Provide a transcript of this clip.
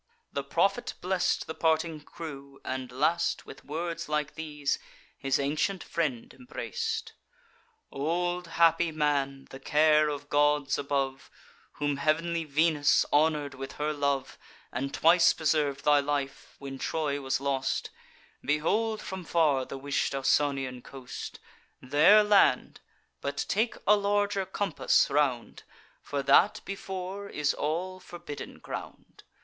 "The prophet bless'd the parting crew, and last, With words like these, his ancient friend embrac'd: 'Old happy man, the care of gods above, Whom heav'nly Venus honour'd with her love, And twice preserv'd thy life, when Troy was lost, Behold from far the wish'd Ausonian coast: There land; but take a larger compass round, For that before is all forbidden ground.